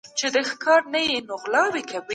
د سياست پايلي د وخت په تېرېدو ښکاريږي.